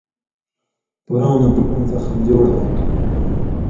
پُرؤں نہ پُرؤں زخم جُوڑ ہوتُھو۔